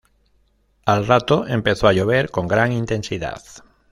Al rato empezó a llover con gran intensidad.